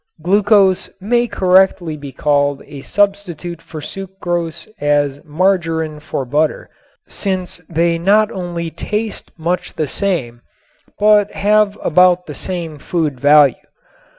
Glucose may correctly be called a substitute for sucrose as margarin for butter, since they not only taste much the same but have about the same food value.